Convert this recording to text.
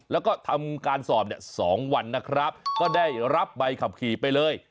แล้วก็ทำการสอบเนี่ย๒วันนะครับก็ได้รับใบขับขี่ไปเลย